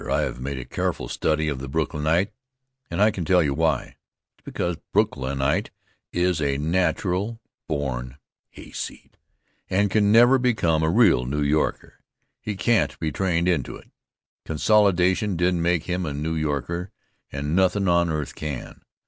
I have made a careful study of the Brooklynite, and I can tell you why. It's because a Brooklynite is a natural born hay. seed, and can never become a real New Yorker. He can't be trained into it. Consolidation didn't make him a New Yorker, and nothin' on earth can.